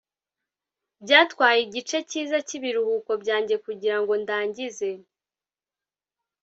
byatwaye igice cyiza cyibiruhuko byanjye kugirango ndangize